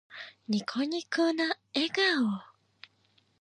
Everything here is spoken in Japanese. ニコニコな笑顔。